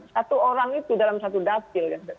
satu orang itu dalam satu dapil